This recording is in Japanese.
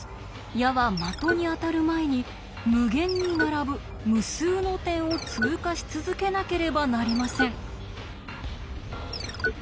矢は的に当たる前に無限に並ぶ無数の点を通過し続けなければなりません。